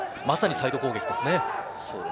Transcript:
まさにサイド攻撃ですね。